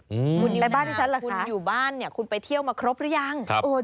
คุณอยู่นะครับคุณอยู่บ้านเนี่ยคุณไปเที่ยวมาครบหรือยังครับ